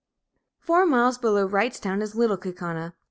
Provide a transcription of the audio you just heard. Four miles below Wrightstown is Little Kaukauna.